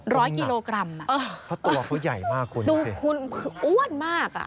ร้อยกิโลกรัมอ่ะเออเพราะตัวเขาใหญ่มากคุณดูคุณคืออ้วนมากอ่ะ